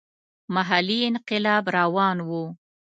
محلي انقلاب روان وو.